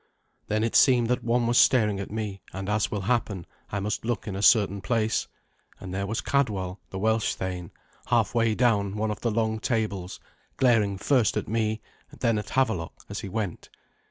Then it seemed that one was staring at me, and as will happen, I must look in a certain place; and there was Cadwal, the Welsh thane, halfway down one of the long tables, glaring first at me, and then at Havelok, as he went.